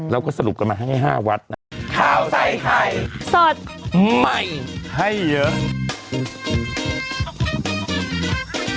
เราก็สรุปกันมาให้๕วัฒน์นะ